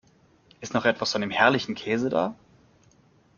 Ist noch was von dem herrlichen Käse da?